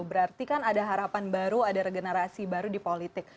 berarti kan ada harapan baru ada regenerasi baru di politik